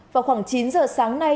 vào khoảng chín giờ sáng nay